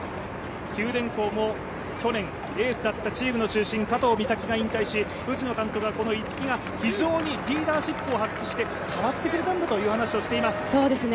九電工も去年、エースだったチームの中心、加藤岬が引退し、藤野監督がこの逸木が非常にリーダーシップを発揮して変わってくれたんだという話をしています。